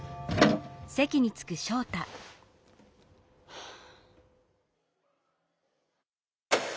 はあ。